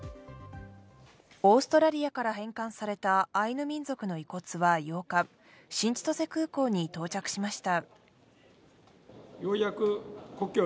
オーストラリアから返還されたアイヌ民族の遺骨は８日、新千歳空港に到着しました。